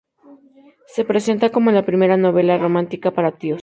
Se presenta como la primera "novela romántica para tíos".